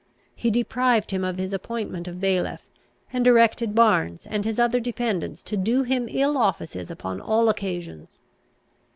He deprived him of his appointment of bailiff, and directed Barnes and his other dependents to do him ill offices upon all occasions.